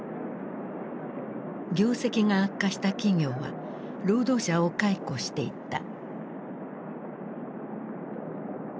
業績が悪化した企業は労働者を解雇していった。